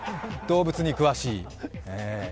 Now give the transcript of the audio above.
動物に詳しい。